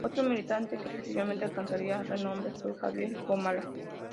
Otro militante que posteriormente alcanzaría renombre fue Javier Gómara.